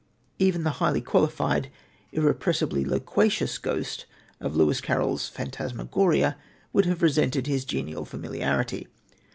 Even the highly qualified, irrepressibly loquacious ghost of Lewis Carroll's Phantasmagoria would have resented his genial familiarity.